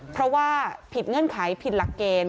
เพราะว่าผิดเงื่อนไขผิดหลักเกณฑ์